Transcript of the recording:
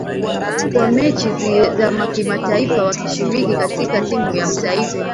kwa mechi za kimataifa wakishiriki katika timu ya taifa